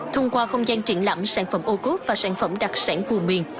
thông qua không gian triển lãm sản phẩm ô cốt và sản phẩm đặc sản vùng miền